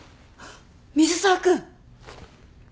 水沢君！